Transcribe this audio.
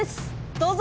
どうぞ！